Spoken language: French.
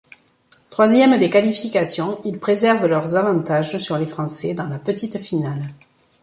Troisièmes des qualifications, ils préservent leurs avantages sur les Français dans la petite finale.